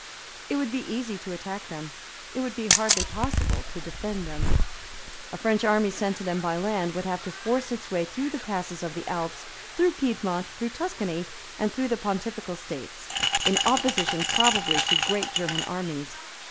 It would be easy to attack them. It would be hardly possible to defend them. A French army sent to them by land would have to force its way through the passes of the Alps, through Piedmont, through Tuscany, and through the Pontifical States, in opposition probably to great German armies.